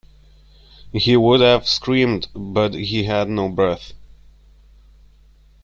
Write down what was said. He would have screamed but he had no breath.